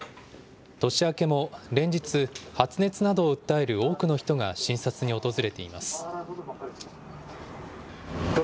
年明けも連日、発熱などを訴える多くの人が診察に訪れています。